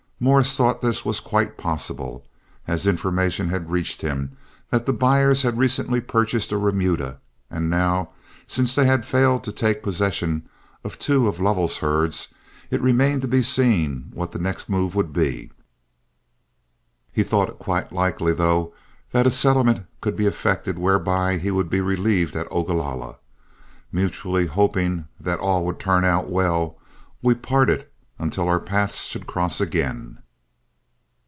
Morris thought this was quite possible, as information had reached him that the buyers had recently purchased a remuda, and now, since they had failed to take possession of two of Lovell's herds, it remained to be seen what the next move would be. He thought it quite likely, though, that a settlement could be effected whereby he would be relieved at Ogalalla. Mutually hoping that all would turn out well, we parted until our paths should cross again.